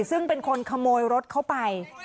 ซึ่งเป็นคนขโมยรถเข้าไป